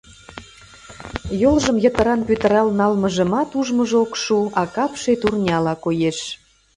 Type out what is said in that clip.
Йолжым йытыран пӱтырал налмыжымат ужмыжо ок шу, а капше турняла коеш.